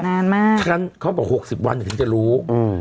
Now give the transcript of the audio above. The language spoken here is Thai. นานมากฉะนั้นเขาบอกหกสิบวันถึงจะรู้อืม